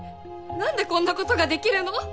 なんでこんなことができるの？